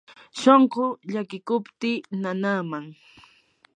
shunquu llakiykupti nanaman.